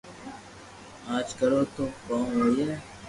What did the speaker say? اج ڪرو تو ڪوم ھوئي